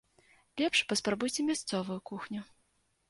Лепш паспрабуйце мясцовую кухню.